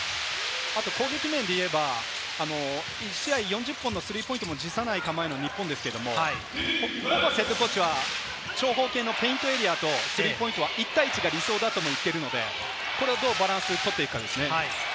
攻撃面でいえば１試合４０本のスリーポイントも辞さない構えの日本ですが、ホーバスＨＣは長方形のペイントエリアとスリーポイントは１対１が理想だと言っているので、どうバランスを取っていくかですね。